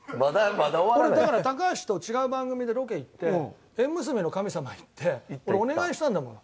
「俺だから高橋と違う番組でロケ行って縁結びの神様行って俺お願いしたんだもの」